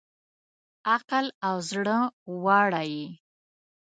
عقل او زړه واړه یې